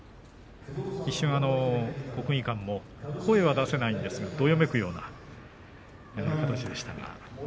一瞬、国技館も声は出せないんですがどよめくような形でしたね。